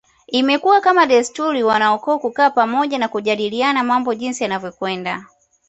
Imekuwa kama desturi wanaukoo kukaa pamoja na kujadiliana mambo jinsi yalivyokwenda